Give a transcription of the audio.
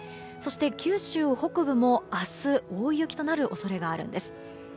そして九州北部も明日大雪となる恐れがあるんです。